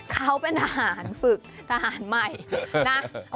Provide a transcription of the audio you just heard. เขาเป็นทหารฝึกทหารใหม่นะ